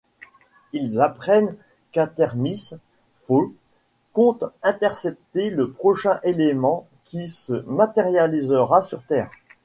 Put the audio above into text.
Ils apprennent qu'Artemis Fowl compte intercepter le prochain élément qui se matérialisera sur Terre.